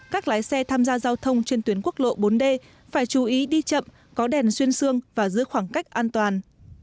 các lái xe tham gia giao thông trên tuyến quốc lộ bốn d phải chú ý đi chậm có đèn xuyên sưng và giữ khoảng cách an toàn